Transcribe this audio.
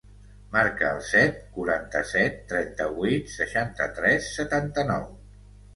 Marca el set, quaranta-set, trenta-vuit, seixanta-tres, setanta-nou.